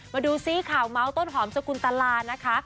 มาดูซิข่าวเมาส์ต้นหอมสกุลตลานะคะ